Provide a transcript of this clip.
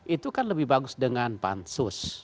itu kan lebih bagus dengan pansus